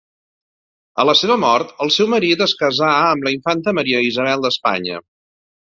A la seva mort, el seu marit es casà amb la infanta Maria Isabel d'Espanya.